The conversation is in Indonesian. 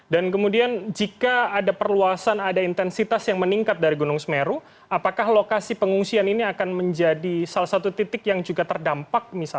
dan kemudian jika ada perluasan ada intensitas yang meningkat dari gunung temeru apakah lokasi pengungsian ini akan menjadi salah satu titik yang juga terdampak